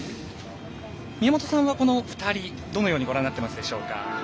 宮本さんはこの２人、どのようにご覧になってるでしょうか。